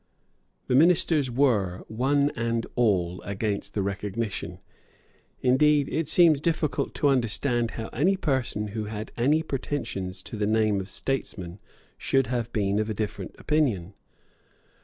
The ministers were, one and all, against the recognition. Indeed, it seems difficult to understand how any person who had any pretensions to the name of statesman should have been of a different opinion.